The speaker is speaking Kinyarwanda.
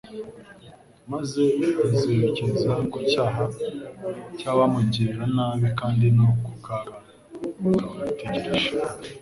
maze azerekeza ku cyaha cy'abamugirira nabi kandi no ku kaga kabategereje.